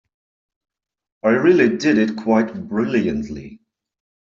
I really did it quite brilliantly.